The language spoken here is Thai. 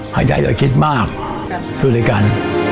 หากอยากจะคิดมากสู้ด้วยกัน